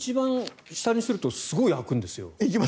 一番下だとすごい開くんですよね。